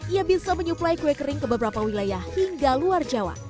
ia bisa menyuplai kue kering ke beberapa wilayah hingga luar jawa